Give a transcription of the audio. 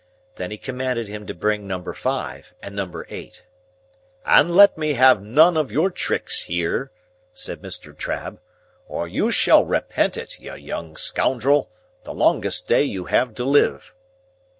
Then he commanded him to bring number five, and number eight. "And let me have none of your tricks here," said Mr. Trabb, "or you shall repent it, you young scoundrel, the longest day you have to live."